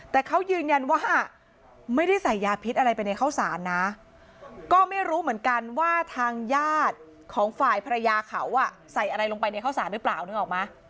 แต่เขายืนยันว่าไม่ได้ใส่ยาพิษอะไรไปในข้าวสารนะก็ไม่รู้เหมือนกันว่าทางญาติของฝ่ายภรรยาเขาใส่อะไรลงไปในข้าวสารหรือเปล่านึกออกไหม